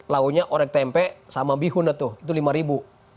launya orek tempe sama bihun atau itu lima ribu